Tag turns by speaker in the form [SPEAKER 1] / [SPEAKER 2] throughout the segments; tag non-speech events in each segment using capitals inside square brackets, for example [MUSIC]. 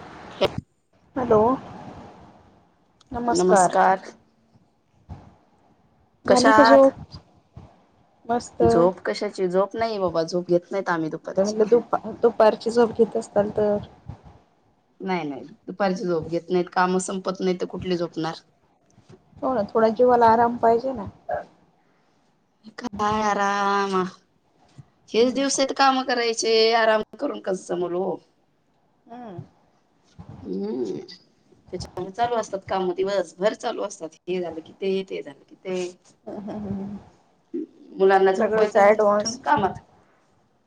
[SPEAKER 1] [UNINTELLIGIBLE]
[SPEAKER 2] Hello.
[SPEAKER 1] नमस्कार. कशा
[SPEAKER 2] झाली का
[SPEAKER 1] आहात
[SPEAKER 2] झोप? मस्त
[SPEAKER 1] झोप
[SPEAKER 2] आता
[SPEAKER 1] कशाची झोप नाही बाबा झोप घेत नाहीत आम्ही दुपारची.
[SPEAKER 2] म्हटलं दुपा दुपारची झोप घेत असताल तर,
[SPEAKER 1] नाही नाही दुपारची झोप घेत नाहीत काम संपत नाही तर कुठली झोपणार.
[SPEAKER 2] हो ना थोड्या जीवाला आराम पाहिजे ना.
[SPEAKER 1] काय आराम हेच दिवस आहेत काम कराय चे आराम करून कस जमलं ओ.
[SPEAKER 2] हम्.
[SPEAKER 1] हम्. त्यामूळ चालू असतात काम दिवसभर चालू असतात हे झालं कि ते ते झालं कि ते.
[SPEAKER 2] हम हम हम
[SPEAKER 1] मुलांना झोपयच आणि उठून कामा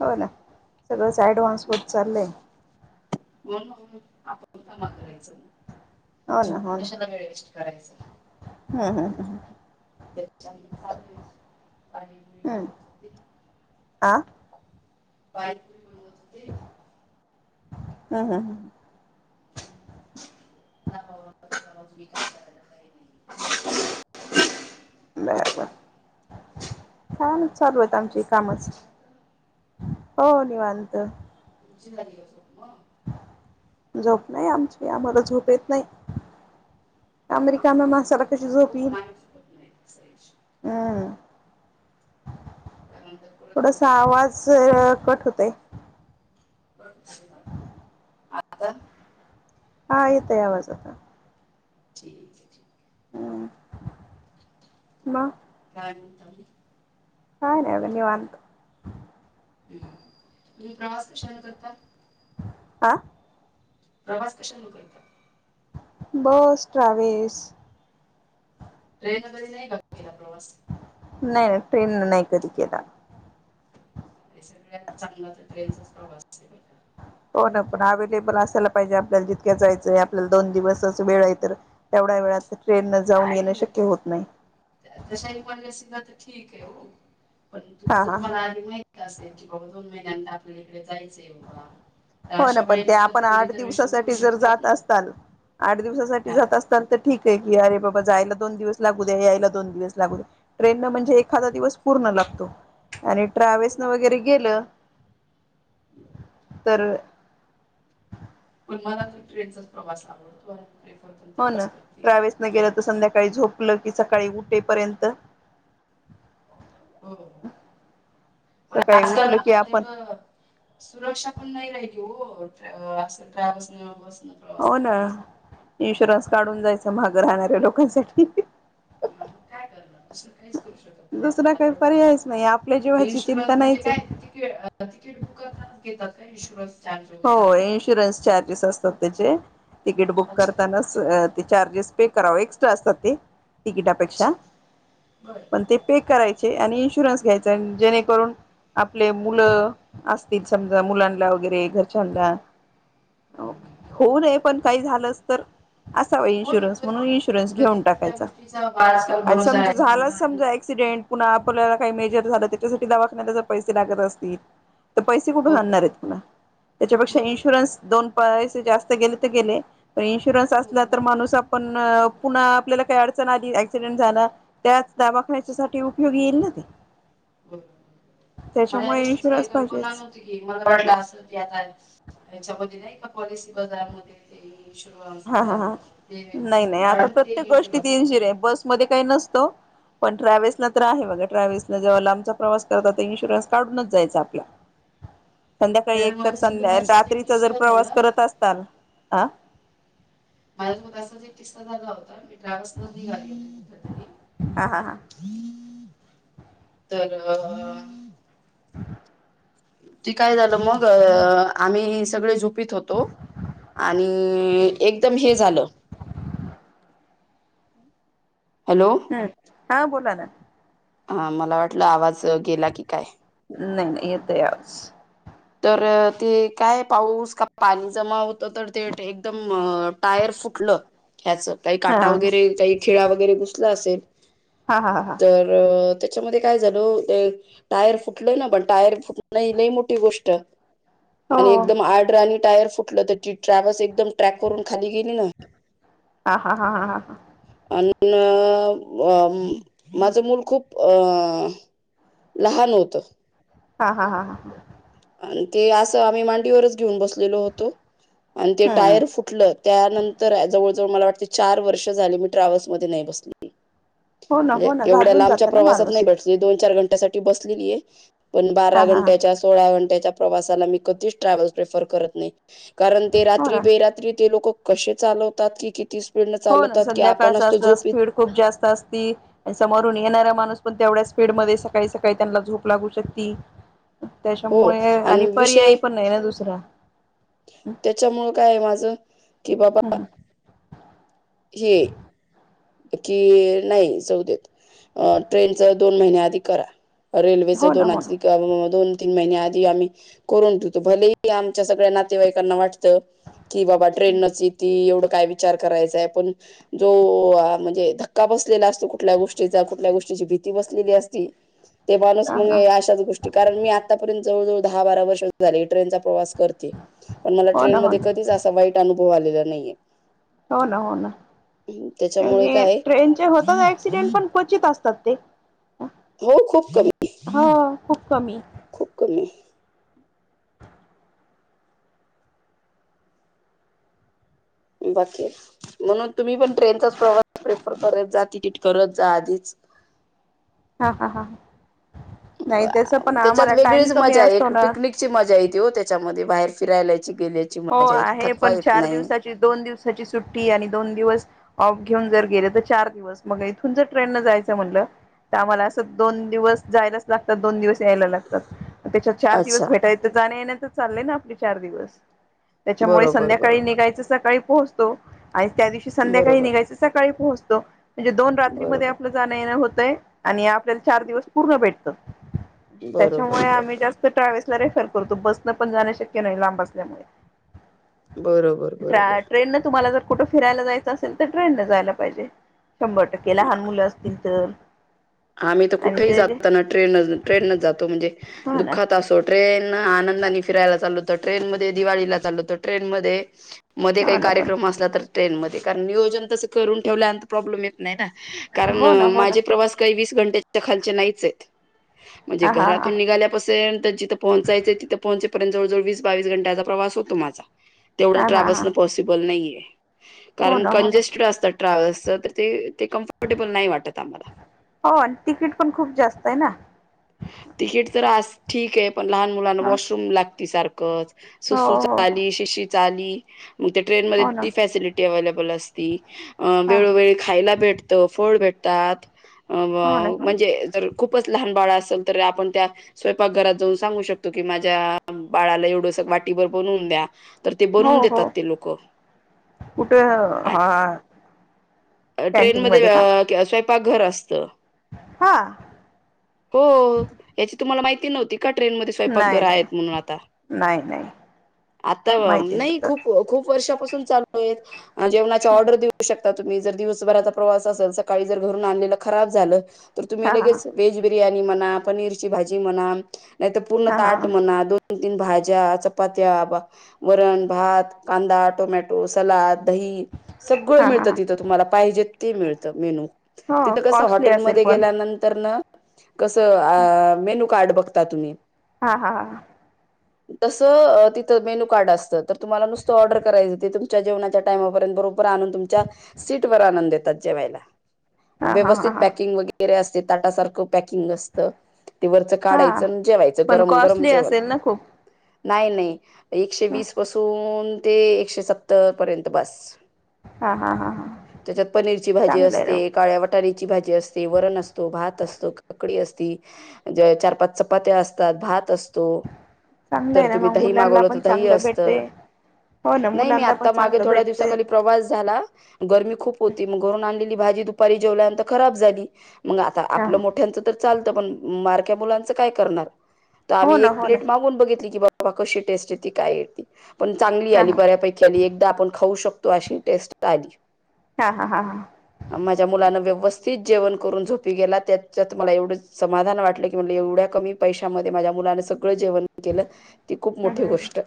[SPEAKER 2] हो ना सगळंच ऍडवान्स होत चालंलय.
[SPEAKER 1] [UNINTELLIGIBLE]
[SPEAKER 2] हो ना हो
[SPEAKER 1] झोपून
[SPEAKER 2] ना
[SPEAKER 1] कशाला वेळ वेस्ट करायचा.
[SPEAKER 2] हम्म हम्म हम्म
[SPEAKER 1] [UNINTELLIGIBLE]
[SPEAKER 2] आ.
[SPEAKER 1] बाई
[SPEAKER 2] हम् हम् ह
[SPEAKER 1] नको नको [UNINTELLIGIBLE]
[SPEAKER 2] बर बर फोन चालू आहेत
[SPEAKER 1] बाकी
[SPEAKER 2] आमचे
[SPEAKER 1] सगळं
[SPEAKER 2] कामचे.
[SPEAKER 1] निवांत
[SPEAKER 2] हो निवांत.
[SPEAKER 1] जिम ला गेली असोत नो
[SPEAKER 2] झोप नाही आमची आम्हाला झोप येत नाही. आम्ही रिकाम्या माणसाला कशी झोप येईल?
[SPEAKER 1] Good night Saisha.
[SPEAKER 2] हम्म
[SPEAKER 1] काय म्हणतात परत मग
[SPEAKER 2] थोडासा आवाज अ कट होतय.
[SPEAKER 1] पांच छे
[SPEAKER 2] हा येतय आवाज आता.
[SPEAKER 1] ठीक आहे आहे.
[SPEAKER 2] हा म
[SPEAKER 1] काय म्हणता आणि
[SPEAKER 2] काय नाय बघा निवांत.
[SPEAKER 1] हम्म, तुम्ही प्रवास कशानं करता?
[SPEAKER 2] आ
[SPEAKER 1] प्रवास कशान करता?
[SPEAKER 2] बस, ट्राव्हेस
[SPEAKER 1] ट्रेन न कधी नाही का केला प्रवास?
[SPEAKER 2] नाही नाय ट्रेन न नाही कधी केला.
[SPEAKER 1] सगळ्यात चांगला तर ट्रेनचाच प्रवास
[SPEAKER 2] हो ना पण अवेलेबल असायला पाहिजे आपल्याला जितक्या जायचंय आपल्याला दोन दिवसच वेळ आहे तर तेवढ्या वेळात ट्रेन न जाऊन येणं शक्य होत नाही.
[SPEAKER 1] तशा इमर्जन्सीला तर ठीक आहे हो, पण
[SPEAKER 2] हा
[SPEAKER 1] तुमच
[SPEAKER 2] हा
[SPEAKER 1] तुम्हाला आलं माहिती असेल की बा दोन महिन्यान आपल्याला इकडे जायचं आहे बाबा तर
[SPEAKER 2] हो ना
[SPEAKER 1] अशा
[SPEAKER 2] पण ते
[SPEAKER 1] वेळेस तर
[SPEAKER 2] आपण
[SPEAKER 1] तुम्ही
[SPEAKER 2] आठ
[SPEAKER 1] रिझर्वेशन करू
[SPEAKER 2] दिवसासाठी जर
[SPEAKER 1] शकतात
[SPEAKER 2] जात
[SPEAKER 1] ना
[SPEAKER 2] असताल आठ दिवसासाठी
[SPEAKER 1] हा
[SPEAKER 2] जात अस तर त ठीक आहे की अरे बाबा जायला दोन दिवस लागू द्या यायला दोन दिवस लागू दया ट्रेन न म्हणजे एखादा दिवस पूर्ण लागतो आणि
[SPEAKER 1] हो
[SPEAKER 2] ट्रॅवल्स न
[SPEAKER 1] लागतो
[SPEAKER 2] वगैरे गेलं. तर
[SPEAKER 1] पण मला त ट्रेनचाच प्रवास आवडतो आणि प्रेफर पण तेच करते की ट्रेन
[SPEAKER 2] काही झोपलं की सकाळी उठेपर्यंत
[SPEAKER 1] हो पण
[SPEAKER 2] सकाळी
[SPEAKER 1] आजकाल
[SPEAKER 2] उठलं की आपण
[SPEAKER 1] तेवढं अ सुरक्षा पण नाही राहिली ओ ट्रॅव्ह असं ट्रॅव्हल्स न बसन
[SPEAKER 2] हो ना इन्शुरन्स काढून जायच मागं राहणाऱ्या लोकांसाठी
[SPEAKER 1] [UNINTELLIGIBLE] काय करणार दुसरं काहीच करू शकत नाही
[SPEAKER 2] दुसरा
[SPEAKER 1] त्यांना
[SPEAKER 2] काही
[SPEAKER 1] तेवढं,
[SPEAKER 2] पर्यायच नाही आपल्या
[SPEAKER 1] हे
[SPEAKER 2] जीवाची चिंता
[SPEAKER 1] इन्शुरन्स म्हणजे
[SPEAKER 2] नाहीच आहे
[SPEAKER 1] काय तिकीट अ तिकीट बुक करतानाच घेतात का इनशुरन्स
[SPEAKER 2] हो इन्शुरन्स चार्जेस असतात त्याचे, तिकीट बुक
[SPEAKER 1] अच्छा
[SPEAKER 2] करतानाच ते चार्जेस पे कराव, एक्ट्रा असतात ते
[SPEAKER 1] अच्छा
[SPEAKER 2] तिकिटापेक्षा
[SPEAKER 1] बरं
[SPEAKER 2] पण ते पे करायचे आणि इन्शुरन्स घ्यायचाय जेणेकरून आपले मुलं असतील समजा मुलांना वगैरे घर होऊ दे पण काही झालंच तर असावा
[SPEAKER 1] हो ना
[SPEAKER 2] इन्शुरन्स
[SPEAKER 1] कधी
[SPEAKER 2] म्हणून इन्शुरन्स
[SPEAKER 1] कधी
[SPEAKER 2] घेऊन
[SPEAKER 1] कुठल्या
[SPEAKER 2] टाकायचा
[SPEAKER 1] गोष्टीचा बा- आजकाल
[SPEAKER 2] आणि
[SPEAKER 1] भरोसा
[SPEAKER 2] समजा
[SPEAKER 1] राहिला
[SPEAKER 2] झाला
[SPEAKER 1] नाही ना
[SPEAKER 2] समजा ऍक एक्सिडेंट पुन्हा आपल्याला काही मेजर झालं त्याच्यासाठी दवाखाण्याला जर पैसे लागत असतील तर पैसे कुठून
[SPEAKER 1] बरोबर
[SPEAKER 2] आणणार आहेतपुन्हा, त्याच्यापेक्षा
[SPEAKER 1] बरोबर बरोबर
[SPEAKER 2] इन्शुरन्स दोन पैसे जास्त गेले तर गेले. इन्शुरन्स
[SPEAKER 1] हो हो
[SPEAKER 2] असला तर
[SPEAKER 1] बरोबर,
[SPEAKER 2] माणूस आपण पुन्हा आपल्याला काही अडचण आली ऍक्सिडेंट झाला. त्याच दावाखानण्याच्यासाठी उपयोगी येईल ना ते.
[SPEAKER 1] बरोबर मला या
[SPEAKER 2] त्याच्यामुळे
[SPEAKER 1] गोष्टीची काही
[SPEAKER 2] इन्शुरन्स
[SPEAKER 1] कल्पना
[SPEAKER 2] पाहिजेच.
[SPEAKER 1] नव्हती मला वाट असेल क आता याच्यामध्ये नाही का पॉलिसी बजार मध्ये ते इन्शुरन्स
[SPEAKER 2] हा हा हा
[SPEAKER 1] ते
[SPEAKER 2] नाही
[SPEAKER 1] मला वाटते हशोबाच माहित समतंय
[SPEAKER 2] मध्ये काही नसतं. पण ट्रॅव्हल्स ना तर आहे बघा ट्रॅव्हल्स जेव्हाला आमचा प्रवास करतात तर इन्शुरन्स काढूनच जायचं आपला
[SPEAKER 1] ह
[SPEAKER 2] संध्याकाळी एक तर संध्या रात्रीचा जर प्रवास
[SPEAKER 1] झाला
[SPEAKER 2] करत असताल हा
[SPEAKER 1] माझ त मग असाच एक किक्सा झाला होता मी ट्रावस न निघाली कुठे तरी
[SPEAKER 2] हा हा हा
[SPEAKER 1] तर
[SPEAKER 2] ह
[SPEAKER 1] ती काय झालं मग आम्ही सगळे झुपीत होतो. आणि एकदम हे झालं हॅलो
[SPEAKER 2] हा बोला ना
[SPEAKER 1] हा मला वाटलं आवाज गेला की काय
[SPEAKER 2] नाही नाही य त आवच
[SPEAKER 1] तर ते काय पाऊस का पाणी जमा होत तर ते एकदम टायर फुटलं. ह्याच काही
[SPEAKER 2] हा
[SPEAKER 1] काटा वगैरे काही खेळा वगैरे घुसला असेल.
[SPEAKER 2] हा हा हा हा
[SPEAKER 1] तर त्याच्यामध्ये काय झाल ते टायर फुटलय ना पण टायर फुटण ल मोठी गोष्ट ट आणि
[SPEAKER 2] हो
[SPEAKER 1] एकदम आड्र आणि टायर फु लं तर त ट्रॅव्हल्स एकदम ट्रॅक वरून खाली गेली ना
[SPEAKER 2] हा हा हा हा हा हा
[SPEAKER 1] अनि म माझं मूल खूप अ लहान होतं.
[SPEAKER 2] हा हा हा हा ह
[SPEAKER 1] आणि ते असं आम्ही मांडीवरच घेऊन बसलेलो होतो आणि ते
[SPEAKER 2] हम्म
[SPEAKER 1] टायर फुट त्यानंतर जवळ जवळ मला वाट चार वर्ष झाली मी ट्रॅव्हल्स मध्ये नाही बसली.
[SPEAKER 2] हो ना
[SPEAKER 1] म्हणजे
[SPEAKER 2] हो ना
[SPEAKER 1] एवढ्या
[SPEAKER 2] घाबरून
[SPEAKER 1] लांबच्या
[SPEAKER 2] जात ना
[SPEAKER 1] प्रवासात
[SPEAKER 2] माणूस
[SPEAKER 1] नाही बसली दोन चार घंट्यासाठी बसलेली आहे पण बारा
[SPEAKER 2] हा हा
[SPEAKER 1] घंट्याच्या आ सोळा घंट्याच्या प्रवासाला मी कधीच ट्रॅव्हल्स प्रसर करत नाही. कारण ते
[SPEAKER 2] हो
[SPEAKER 1] रात्री
[SPEAKER 2] ना
[SPEAKER 1] बेरात्री ते लोक कसे चालवतात की किती पुन
[SPEAKER 2] हो ना
[SPEAKER 1] चालवतात की आपण
[SPEAKER 2] संध्याकाळचा
[SPEAKER 1] असतो
[SPEAKER 2] असला
[SPEAKER 1] जोपित
[SPEAKER 2] स्पीड खूप जास्त असती. आणि समोरून येणारा माणूस पण तेवढ्या स्पीड मध्ये सकाळी सकाळी त्यांना झोप लागू शकती.
[SPEAKER 1] हो
[SPEAKER 2] त्याच्यामुळे आणि
[SPEAKER 1] विषय
[SPEAKER 2] पर्याय पण नाही ना दुसरा.
[SPEAKER 1] त्याच्यामुळं काय माझं कि बाबा हे कि नाही जाऊ देत अ तेनच दोन महिन्या आधी करा. रेल्वेच
[SPEAKER 2] हो ना
[SPEAKER 1] दोन आ
[SPEAKER 2] हो ना
[SPEAKER 1] त्यामुळं दोन तीन महिन्या आधी आम्ही करुन भलेही आमच्या सगळ्या नातेवाईकांना वाटतं. कि बाबा ट्रेनच ऐती एवढं काय विचार करायचांय पण जो आ म्हणजे धक्का बसलेला असतो कुठल्या गोष्टीचा, कुठल्या गोष्टीची भीती बसलेली असती ते माणूस
[SPEAKER 2] ह
[SPEAKER 1] मग
[SPEAKER 2] ह
[SPEAKER 1] अशाच गोष्ट कारण मी आतापर्यंत जवळ जवळ दहा बारा वर्ष झाली ट्रेनचा प्रवास करते. पण मला
[SPEAKER 2] हो ना
[SPEAKER 1] ट्रेन
[SPEAKER 2] हो
[SPEAKER 1] मधे
[SPEAKER 2] ना
[SPEAKER 1] कधीच असा वाईट अनुभव आलेला नाहीये.
[SPEAKER 2] हो ना, हो ना
[SPEAKER 1] त्याच्यामुळे
[SPEAKER 2] [UNINTELLIGIBLE]
[SPEAKER 1] काय
[SPEAKER 2] ट्रेनचे होतात ऍक्सिडेंट पण क्वचित असतात ते,
[SPEAKER 1] हो खूप कमी
[SPEAKER 2] हो खूप कमी.
[SPEAKER 1] खूप कमी. बाकीे म्हणून तुम्ही पण ट्रेनचाच प्रवास प्रेफर करत जा, तिकीट करत जा आधीच.
[SPEAKER 2] हा हा हा नाही तस पण आम्हाला टाइम कमी असतो ना
[SPEAKER 1] ती मजा येते हो त्याच्यामध्ये बाहेर फिरायलाची गेलेची
[SPEAKER 2] हो आहे. पण चार दिवसाची, दोन दिवसाची सुट्टी आणि दोन दिवस ऑफ घेऊन जर गेले तर चार दिवस, मग इथून जर ट्रेनन जायचं म्हणलं तर आम्हाला असं दोन दिवस जायलाच लागतात. दोन दिवस यायला लागतात. त्याच्यात चार
[SPEAKER 1] अच्छा
[SPEAKER 2] दिवस भेटायच, जाण्या येण्यातच चाललंय ना आपले चार दिवस. त्याच्यामुळे
[SPEAKER 1] बरोबर
[SPEAKER 2] संध्याकाळी
[SPEAKER 1] बरोबर
[SPEAKER 2] निघायचं सकाळी पोहोचतो. आणि त्या दिवशी संध्याकाळी
[SPEAKER 1] बरोबर
[SPEAKER 2] निघायचं सकाळी पोहोचतो. म्हणजे दोन रात्री मध्ये
[SPEAKER 1] बरोबर
[SPEAKER 2] आपल जाणं येणं होतंय आणि आपल्याला चार दिवस पूर्ण भेटत.
[SPEAKER 1] बरोबर
[SPEAKER 2] त्याच्यामुळे आम्ही जास्त ट्रॅव्हल्स ला रेफर करतो. बस न पण जाण शक्य नाही लांब असल्यामुळे.
[SPEAKER 1] बरोब
[SPEAKER 2] ट्राय ट्रेनने तुम्हाला जर कुठं फिरायला जायचं असेल तर ट्रेन नं जायला पाहिजे. शंभर टक्के, लहान मुलं असतील तर.
[SPEAKER 1] आम्ही तर
[SPEAKER 2] आणि
[SPEAKER 1] कुठेही
[SPEAKER 2] ते
[SPEAKER 1] जाताना ट्रेनच. ट्रेननच जातो म्हणजे
[SPEAKER 2] हो ना
[SPEAKER 1] दुःखात अस त ट्रेन, आनंदानी फिरायला चाललो तर ट्रेन मधे, दिवाळीला चाललो तर ट्रेन मधे मधे
[SPEAKER 2] हो
[SPEAKER 1] काही
[SPEAKER 2] ना पण
[SPEAKER 1] कार्यक्रम असला तर ट्रेन मधे. कारण नियोजन तस करून ठेवल्यानंतर प्रॉब्लेम येत नाही ना. कारण
[SPEAKER 2] हो ना हो ना
[SPEAKER 1] माझे प्रवास काही वीस घंटेच्या तर खालचे नाहीच आहेत. म्हणजे
[SPEAKER 2] हा हा हा
[SPEAKER 1] घरातून निघाल्यापासून ते जिथ पोहचायचे तिथं पोहचेपर्यंत जवळ जवळ वीस बावीस घंटेचा प्रवास होतो माझा तेवढा
[SPEAKER 2] हा हा हा
[SPEAKER 1] ट्रॅव्हस न पोस सिबल नाही आहे.
[SPEAKER 2] हो
[SPEAKER 1] कारण
[SPEAKER 2] ना हो ना
[SPEAKER 1] कन्जेस्टेड असतात ट्रॅव्हल्सच तर ते ते कम्फर्टेबल नाही वाटत आम्हाला.
[SPEAKER 2] हो तिकीट पण खूप जास्त आहे ना.
[SPEAKER 1] तिकीट तर आस ठीक आहे, पण लहान मुलांना
[SPEAKER 2] ह
[SPEAKER 1] वॉशरूम लागते सारखंच
[SPEAKER 2] हो
[SPEAKER 1] सुसू च
[SPEAKER 2] हो हो
[SPEAKER 1] आली, शिशी च आली मग त्या ट्रेनमध्ये
[SPEAKER 2] हो ना
[SPEAKER 1] ती फॅसिलिटी अवलेबल असती अ
[SPEAKER 2] हा
[SPEAKER 1] वेळोवेळी खायला भेटत, फळ भेटतात, अ
[SPEAKER 2] हो ना
[SPEAKER 1] व
[SPEAKER 2] हो
[SPEAKER 1] म्हणजे जर खूपच लहान बाळ अस असल तर आपण त्या स्वयंपाकघरात जाऊन सांगू शकतो की माझ्या बाळाला एवढंस वाटीभर बनवून द्या. तर ते
[SPEAKER 2] ना
[SPEAKER 1] बनवून
[SPEAKER 2] हो
[SPEAKER 1] देतात
[SPEAKER 2] हो
[SPEAKER 1] ते लोक. [UNINTELLIGIBLE]
[SPEAKER 2] कुठं हा
[SPEAKER 1] अ ट्रेन
[SPEAKER 2] कॅन्टीन
[SPEAKER 1] मध्ये
[SPEAKER 2] का
[SPEAKER 1] अ स्वयंपाक घर असतं.
[SPEAKER 2] हा.
[SPEAKER 1] हो याची तुम्हाला माहिती नव्हती का ट्रेनमध्ये
[SPEAKER 2] नाही
[SPEAKER 1] स्वयंपाकघरं
[SPEAKER 2] नाही
[SPEAKER 1] आहेत म्हणून आता?
[SPEAKER 2] नाही नाही
[SPEAKER 1] आता अ
[SPEAKER 2] माहिती
[SPEAKER 1] नाही
[SPEAKER 2] नव्हतं
[SPEAKER 1] खूप, खूप वर्षापासून चालू आहेत, जेवणाची ऑर्डर देऊ शक शकता तुम्ही, दिवसभराचा प्रवास असल सकाळी जर घरून आणलेल खराब झाल तर तुम्ही
[SPEAKER 2] हा हा
[SPEAKER 1] लगेच वेज बिर्याणी म्हणा, पनीरची भाजी म्हणा, नाही तर पूर्ण
[SPEAKER 2] हा हा
[SPEAKER 1] ताट म्हणा दोन तीन भाज्या, चपात्या, बा वरण, भात, कांदा, टोमॅ टो, सलाद, दही सगळं
[SPEAKER 2] हा हा
[SPEAKER 1] मिळतं
[SPEAKER 2] हा
[SPEAKER 1] तिथं तुम्हाला, पाहिजे ते मिळतं मेनू.
[SPEAKER 2] हो
[SPEAKER 1] तिथं कसं
[SPEAKER 2] कॉस्टली असेल
[SPEAKER 1] हॉटेलमध्ये
[SPEAKER 2] पण
[SPEAKER 1] गेल्यानंतर, नंतर न कस
[SPEAKER 2] ह
[SPEAKER 1] मेनू कार्ड बघता तुम्ही.
[SPEAKER 2] हा हा
[SPEAKER 1] तसं तिथ मेनु कार्ड असतं तर तुम्हाला नुसत ऑर्डर करायचं तुमच्या जेव- टामापर्यंत बरोबर आणून तुमच्या सीट वर आणून देतात जेवायला.
[SPEAKER 2] हा हा हा
[SPEAKER 1] व्यवस्थित
[SPEAKER 2] हा
[SPEAKER 1] पॅकिंग वगैरे असते ताटासारखं पॅकिंग असतं. ते वरचं
[SPEAKER 2] हा
[SPEAKER 1] काढायचं जेवायचं
[SPEAKER 2] पण
[SPEAKER 1] गरम गरम
[SPEAKER 2] कॉस्टली
[SPEAKER 1] जेवणं
[SPEAKER 2] असेल ना खूप
[SPEAKER 1] नाही नाहीं. एकशे वीस पासून ते एकशे सत्तर पर्यंत बस.
[SPEAKER 2] हा हा हा हा
[SPEAKER 1] त्याच्यात पनीरची भाजी
[SPEAKER 2] चांगलं आहे ना
[SPEAKER 1] असते काळ्या वाट- बटारीची भाजी असते, वरण असतो भात असतो. कडी असते, चार पाच चपात्या असतात, भात अस,
[SPEAKER 2] चांगलं
[SPEAKER 1] तर
[SPEAKER 2] आहे ना
[SPEAKER 1] तुम्ही
[SPEAKER 2] मग
[SPEAKER 1] दही
[SPEAKER 2] मुलांना
[SPEAKER 1] मागवलं तर
[SPEAKER 2] पण
[SPEAKER 1] दही
[SPEAKER 2] चांगलं भेटते
[SPEAKER 1] असतं.
[SPEAKER 2] हो ना
[SPEAKER 1] नाही मी
[SPEAKER 2] मुलांना पण
[SPEAKER 1] आता मागे
[SPEAKER 2] चांगलं
[SPEAKER 1] थोड्या
[SPEAKER 2] भेटते
[SPEAKER 1] दिवसाखाली प्रवास झाला. गर्मी खूप होती. मग घरून आणलेली भाजी दुपारी जेवल्यानंतर खराब झाली. मग आता-
[SPEAKER 2] हा
[SPEAKER 1] आपलं मोठ्यांचं तर चालतं पण मारक्या मुलांच काय करणार. तर
[SPEAKER 2] हो
[SPEAKER 1] आम्ही
[SPEAKER 2] ना
[SPEAKER 1] एक
[SPEAKER 2] हो ना
[SPEAKER 1] प्लेट मागून बघितली की बाबा कशी टेस्ट येतती काय येतती पण चांगली
[SPEAKER 2] हा
[SPEAKER 1] आली
[SPEAKER 2] हा
[SPEAKER 1] बऱ्यापैकी- एकदा आपण खाऊ शकतो अशी टेस्ट आली.
[SPEAKER 2] हा हा हा हा
[SPEAKER 1] माझ्या मुलां व्यवस्थित जेवण करून झोपी गेलात. त्यात मला एवढं समाधान वाटलं की, म्हनलं एवढ्या कमी पैशामध्ये माझ्या मुलां सगळं जेवण, केलं ती खूप
[SPEAKER 2] हम्म
[SPEAKER 1] मोठी
[SPEAKER 2] हम्म
[SPEAKER 1] गोष्ट,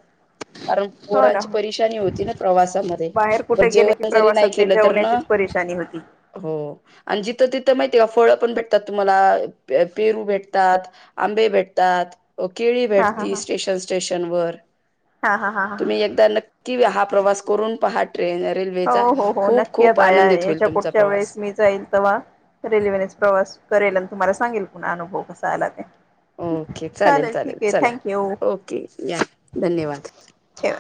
[SPEAKER 1] कारण
[SPEAKER 2] हो ना
[SPEAKER 1] पोरांची
[SPEAKER 2] हो
[SPEAKER 1] परेशानी होती ना प्रवासामध्ये,
[SPEAKER 2] बाहेर
[SPEAKER 1] मग
[SPEAKER 2] कुठे गेले की
[SPEAKER 1] जेवण जरी नाही
[SPEAKER 2] प्रवासात ते
[SPEAKER 1] केलं तर ना.
[SPEAKER 2] जेवण्याचीच परेशानी होती.
[SPEAKER 1] हो आणि जिथं तिथं माहिती आहे का, फळ पण भेट- तुम्हाला पेरू भेटतात, आंबे भेटतात, केळी
[SPEAKER 2] हा हा
[SPEAKER 1] भेटती
[SPEAKER 2] हा
[SPEAKER 1] स्टेशन स्टेशन वर,
[SPEAKER 2] हा हा हा
[SPEAKER 1] तुम्ही
[SPEAKER 2] हा
[SPEAKER 1] एकदा नक्- कि हा प्रवास करून पहा ट्रेन रेल्वेचा
[SPEAKER 2] हो हो हो
[SPEAKER 1] खूप
[SPEAKER 2] नक्की
[SPEAKER 1] खूप
[SPEAKER 2] आता या
[SPEAKER 1] आनंदित होईल
[SPEAKER 2] याच्या
[SPEAKER 1] तुमचा
[SPEAKER 2] पुढच्या वेळेस
[SPEAKER 1] प्रवास.
[SPEAKER 2] मी जाईल तेव्हा रेल्वेनेच प्रवास करेल आणि तुम्हाला सांगेल पुन्हा अनुभव कसा आला ते.
[SPEAKER 1] ओके चालेल. चालेल
[SPEAKER 2] ठीक आहे
[SPEAKER 1] चला
[SPEAKER 2] थँक्यू
[SPEAKER 1] ओके या धन्यवाद.
[SPEAKER 2] ठेव.